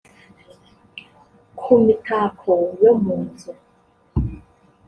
ku mitako yo mu nzu